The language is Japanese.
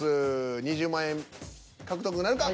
２０万円獲得なるか？